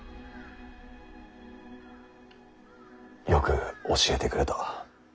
よく教えてくれた。